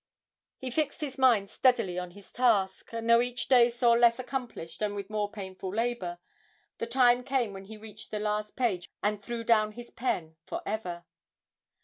He fixed his mind steadily on his task, and though each day saw less accomplished and with more painful labour, the time came when he reached the last page and threw down his pen for ever.